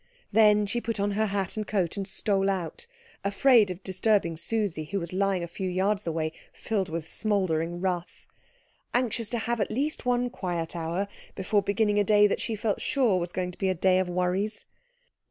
Then she put on her hat and coat and stole out, afraid of disturbing Susie, who was lying a few yards away filled with smouldering wrath, anxious to have at least one quiet hour before beginning a day that she felt sure was going to be a day of worries.